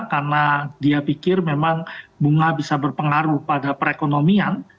karena dia pikir memang bunga bisa berpengaruh pada perekonomian